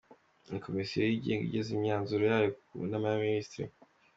Ni komisiyo yigenga igeza imyanzuro yayo ku nama y’abaminisitiri.